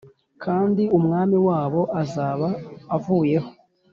kandi umwami wabo azaba avuyeho